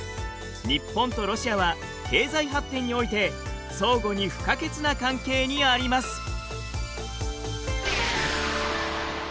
日本とロシアは経済発展において相互に不可欠な関係にあります。